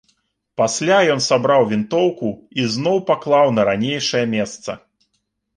Пасля ён сабраў вінтоўку і зноў паклаў на ранейшае месца.